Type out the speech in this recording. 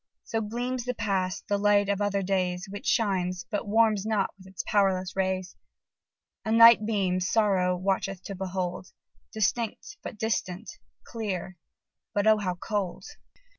So gleams the past, the light of other days, Which shines, but warms not with its powerless rays; A night beam Sorrow watcheth to behold, Distinct, but distant clear but oh! how cold!